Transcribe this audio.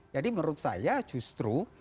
jadi menurut saya justru